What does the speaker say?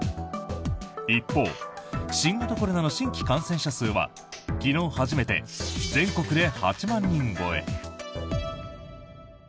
一方、新型コロナの新規感染者数は昨日初めて全国で８万人超え。